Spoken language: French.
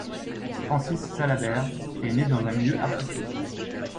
Francis Salabert est né dans un milieu artistique.